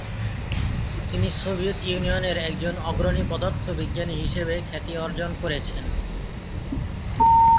তিনি সোভিয়েত ইউনিয়নের একজন অগ্রণী পদার্থবিজ্ঞানী হিসেবে খ্যাতি অর্জন করেছেন।